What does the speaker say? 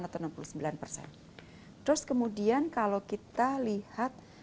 terus kemudian kalau kita lihat